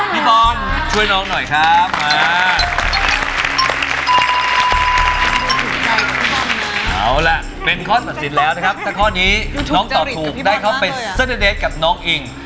นี่เป็นข้อสาสิทธิ์แล้วอันนี้น้องตอบถูกได้เขาไปสัตเทณฑ์กับน้องอิง